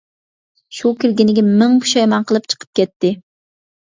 شۇ، كىرگىنىگە مىڭ پۇشايمان قىلىپ چىقىپ كەتتى.